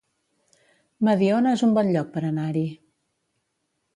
Mediona es un bon lloc per anar-hi